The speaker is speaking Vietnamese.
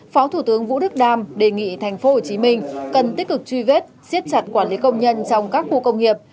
phó thủ tướng vũ đức đam đề nghị thành phố hồ chí minh cần tích cực truy vết siết chặt quản lý công nhân trong các khu công nghiệp